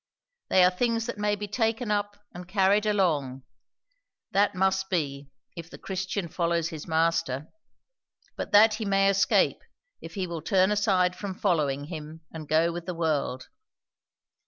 They are things that may be taken up and carried along; that must be, if the Christian follows his Master; but that he may escape if he will turn aside from following him and go with the world.